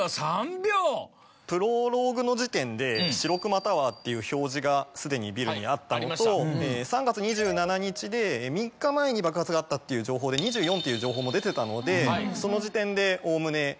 プロローグの時点でしろくまタワーっていう表示がすでにビルにあったのと３月２７日で３日前に爆発があったっていう情報で２４っていう情報も出てたのでその時点でおおむね。